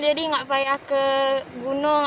jadi nggak payah ke gunung